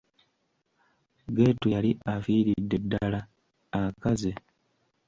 Geetu yali afiiridde ddala, akaze.